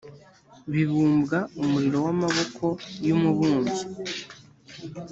bibumbwa umurimo w amaboko y umubumbyi